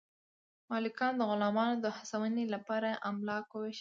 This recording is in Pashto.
مالکانو د غلامانو د هڅونې لپاره املاک وویشل.